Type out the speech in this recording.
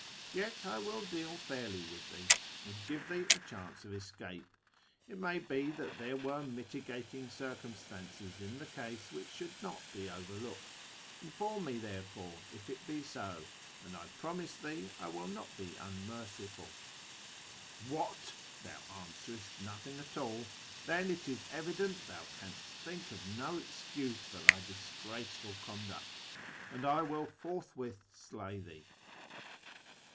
"et will I deal fairly with thee, and give thee a chance of i8o A YEAR AMONGST THE PERSIANS escape. It may be tliat there were mitigating circumstances in the case "vvliich shouhl not be overlooked : inform me, therefore, if it be so, and I promise thee I Avill not be un merciful. ... What ! thou answerest nothing at all ? Then it is evident thou can'st think of no excuse for thy disgraceful conduct, and I will forthwith slay thee.'